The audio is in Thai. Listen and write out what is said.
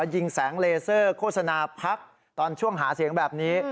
ยิงแสงเลเซอร์โฆษณาพักตอนช่วงหาเสียงแบบนี้